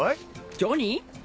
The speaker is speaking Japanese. ジョニー？